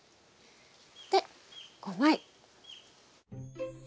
で５枚。